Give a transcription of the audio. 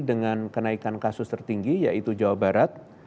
dengan kenaikan kasus tertinggi yaitu jawa barat